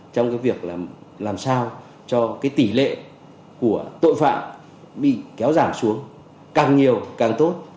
trong việc làm sao cho tỷ lệ của tội phạm bị kéo giảm xuống càng nhiều càng tốt